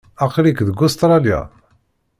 Aql-ik deg Ustṛalya?